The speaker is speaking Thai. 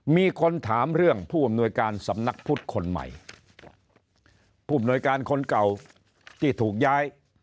มีคนถามเรื่องผู้อำนวยการสำนักพุทธคนใหม่ผู้อำนวยการคนเก่าที่ถูกย้าย